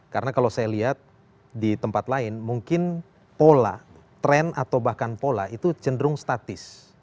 karena kalau saya lihat di tempat lain mungkin pola tren atau bahkan pola itu cenderung statis